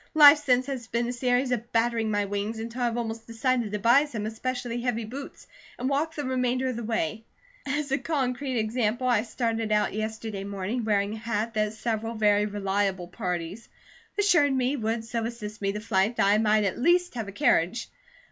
Life since has been a series of battering my wings until I have almost decided to buy some especially heavy boots, and walk the remainder of the way. As a concrete example, I started out yesterday morning wearing a hat that several very reliable parties assured me would so assist me to flight that I might at least have a carriage.